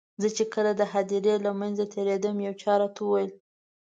زه چې کله د هدیرې له منځه تېرېدم یو چا راته وویل.